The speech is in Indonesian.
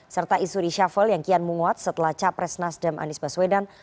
serta isuri shafal yang kian menguat setelah capres nasdem anis baswedan